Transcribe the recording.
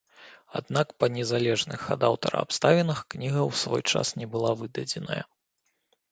Аднак па не залежных ад аўтара абставінах кніга ў свой час не была выдадзеная.